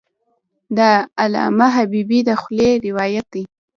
د علامه حبیبي د خولې روایت دی.